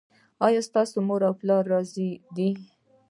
ایا ستاسو مور او پلار راضي دي؟